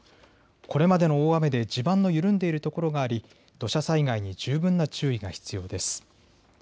これまでの大雨で地盤の緩んでいる所があり土砂災害に十分な注意が必要です。